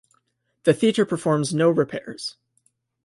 The theatre performs no repairs.